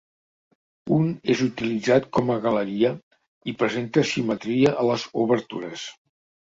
Un és utilitzat com a galeria i presenta simetria a les obertures.